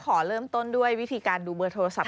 ขอเริ่มต้นด้วยวิธีการดูเบอร์โทรศัพ